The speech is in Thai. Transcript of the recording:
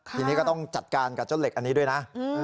ทีนี้ก็ต้องจัดการกับเจ้าเหล็กอันนี้ด้วยนะ